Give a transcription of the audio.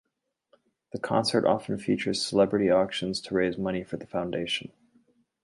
The concert often features celebrity auctions to raise money for the foundation.